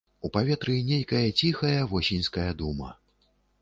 У паветры нейкая ціхая восеньская дума.